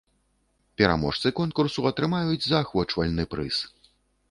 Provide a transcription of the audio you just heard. Пераможцы конкурсу атрымаюць заахвочвальны прыз.